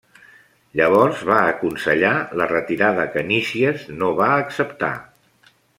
Llavors va aconsellar la retirada que Nícies no va acceptar.